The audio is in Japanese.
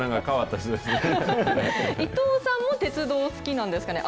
伊藤さんも鉄道好きなんですかね？